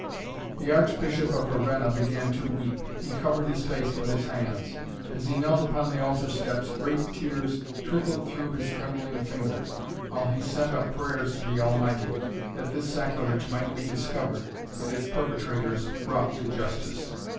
The Archbishop of Ravenna began to weep. He covered his face with his hands. As he knelt upon the altar steps, great tears trickled through his trembling fingers, while he sent up prayers to the Almighty that this sacrilege might be discovered and its perpetrators brought to justice.